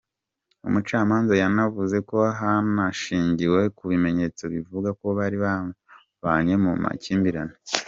Umucamanza yanavuze ko hanashingiwe ku bimenyetso bivuga ko bari babanye mu makimbirane.